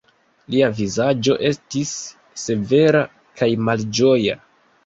Lia vizaĝo estis severa kaj malĝoja.